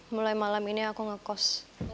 mulai malam ini aku ngekos